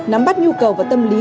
nắm bắt nhu cầu và tâm lý